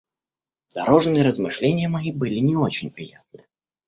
Дорожные размышления мои были не очень приятны.